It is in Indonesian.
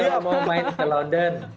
silahkan kalau mau main ke london